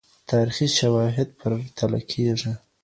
تاريخي سواهد پرتله کيږي.